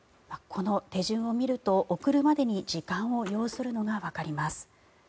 この手順を見ると、送るまでに時間を要するのがわかります。